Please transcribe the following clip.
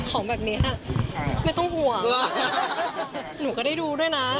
ของแบบเนี้ยไม่ต้องห่วง